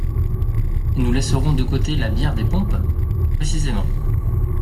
Et nous laisserons de côté la bière des pompes ? Précisément.